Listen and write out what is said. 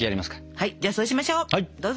はいじゃあそうしましょうどうぞ。